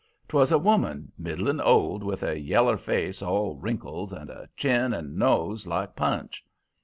"'Twas a woman, middling old, with a yeller face all wrinkles, and a chin and nose like Punch.